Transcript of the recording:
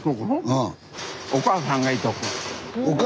うん。